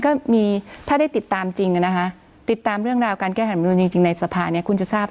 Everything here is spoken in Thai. ก่อน๖ปีทำไมไม่ออกมา